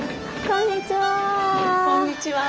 こんにちは。